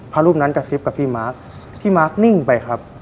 รูปนั้นกระซิบกับพี่มาร์คพี่มาร์คนิ่งไปครับ